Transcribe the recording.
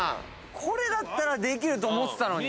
これだったらできると思ってたのに。